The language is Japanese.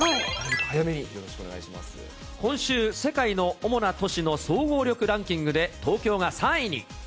早めによろしく今週、世界の主な都市の総合力ランキングで、東京が３位に。